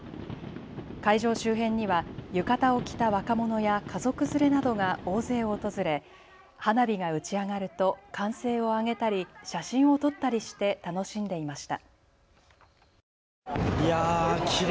会場周辺には浴衣を着た若者や家族連れなどが大勢訪れ花火が打ち上がると歓声を上げたり写真を撮ったりして楽しんでいました。